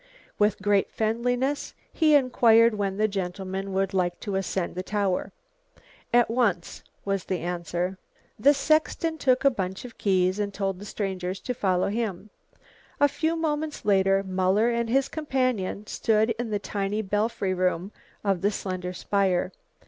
With great friendliness he inquired when the gentlemen would like to ascend the tower. "At once," was the answer. The sexton took a bunch of keys and told the strangers to follow him. A few moments later Muller and his companion stood in the tiny belfry room of the slender spire.